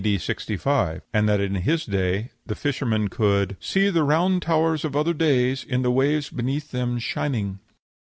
D. 65, and that in his day the fishermen could "See the round towers of other days In the waves beneath them shining."